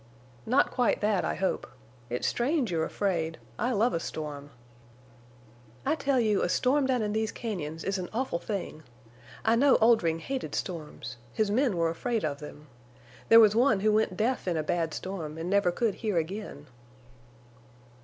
"Not quite that, I hope. It's strange you're afraid. I love a storm." "I tell you a storm down in these cañons is an awful thing. I know Oldring hated storms. His men were afraid of them. There was one who went deaf in a bad storm, and never could hear again."